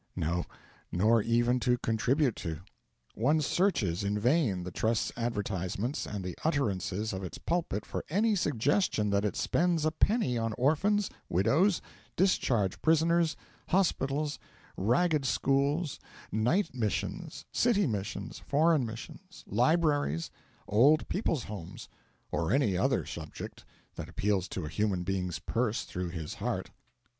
No, nor even to contribute to. One searches in vain the Trust's advertisements and the utterances of its pulpit for any suggestion that it spends a penny on orphans, widows, discharged prisoners, hospitals, ragged schools, night missions, city missions, foreign missions, libraries, old people's homes, or any other object that appeals to a human being's purse through his heart.